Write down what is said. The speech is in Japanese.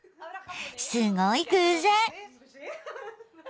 すごい偶然！